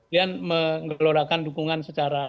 dan mengelodakan dukungan secara